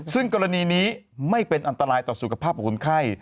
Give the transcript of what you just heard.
ซึ่งกรณีนี้ไม่เป็นอันตรายต่อสุขภาพของคนไข้